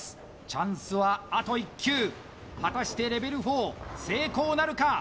チャンスはあと１球果たしてレベル４成功なるか？